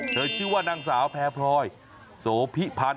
ชื่อว่านางสาวแพรพลอยโสพิพันธ์